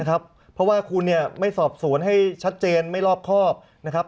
เพราะว่าคุณเนี่ยไม่สอบสวนให้ชัดเจนไม่รอบครอบนะครับ